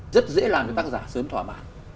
rất dễ làm cho tác giả sớm thỏa mãn